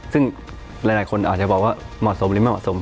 ซึ่งหลายคนอาจจะบอกว่าเหมาะสมหรือไม่เหมาะสม